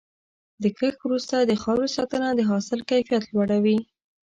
د کښت وروسته د خاورې ساتنه د حاصل کیفیت لوړوي.